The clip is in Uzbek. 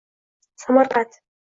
Samarqand.